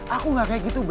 aku gak kaya gitu bel